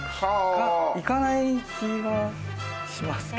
行かない気がしますけど。